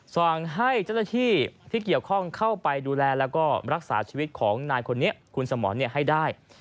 สั่งให้เจ้าหน้าที่ที่เกี่ยวข้องเข้าไปดูแลแล้วก็รักษาชีวิตของนายคนนี้คุณสมรให้ได้